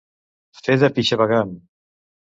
Fer de pixavagant.